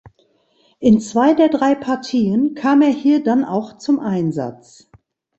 In zwei der drei Partien kam er hier dann auch zum Einsatz.